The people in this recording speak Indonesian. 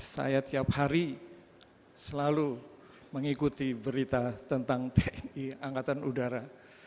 saya tiap hari selalu mengikuti berita tentang tni angkatan udara